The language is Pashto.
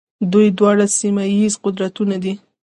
دوی دواړه سیمه ییز قدرتونه دي.